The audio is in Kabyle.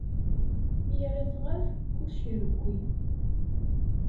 Mi ara tɣab, kullec irewwi.